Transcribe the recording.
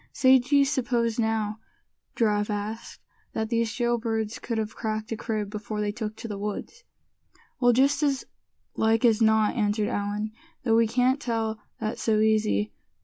"Say, d'ye suppose, now," Giraffe asked, "that these jail birds could have cracked a crib before they took to the woods?" "Well, just as like as not," answered Allan; "though we can't tell that so easy.